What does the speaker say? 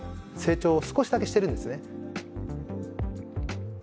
成長を少しだけしてるんですね。